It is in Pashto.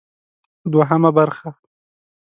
دوهمه برخه: